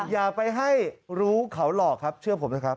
อย่าไปให้รู้เขาหลอกครับเชื่อผมนะครับ